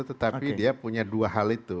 tetapi dia punya dua hal itu